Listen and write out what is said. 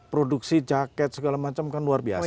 produksi jaket segala macam kan luar biasa